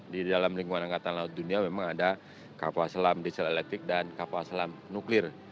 di dalam lingkungan angkatan laut dunia memang ada kapal selam diesel elektrik dan kapal selam nuklir